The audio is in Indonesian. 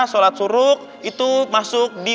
sholat suruk itu masuk di